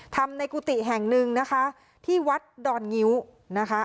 ทำในกุฏิแห่งหนึ่งนะคะที่วัดดอนงิ้วนะคะ